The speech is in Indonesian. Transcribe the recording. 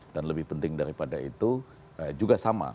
dan lebih penting daripada itu juga sama